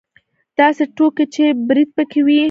داسې ټوکې چې برید پکې وي.